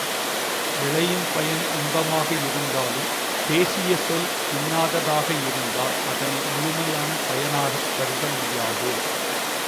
விளையும் பயன் இன்பமாக இருந்தாலும் பேசிய சொல் இன்னாததாக இருந்தால் அதனை முழுமையான பயனாகக் கருத முடியாது.